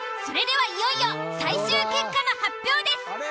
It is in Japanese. それではいよいよ最終結果の発表です。